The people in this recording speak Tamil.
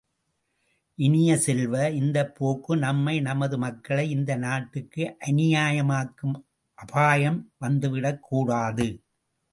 இனிய செல்வ, இந்தப் போக்கு நம்மை நமது மக்களை இந்த நாட்டுக்கு அந்நியமாக்கும் அபாயம் வந்து விடக்கூடாது!